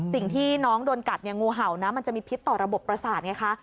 สิ่งที่น้องโดนกัดเนี่ยงูเห่านะมันจะมีพิษต่อระบบประสาทไงคะ